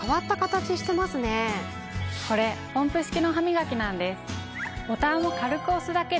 これポンプ式のハミガキなんです。